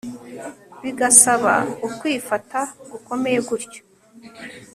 bigasaba ukwifata gukomeye gutyo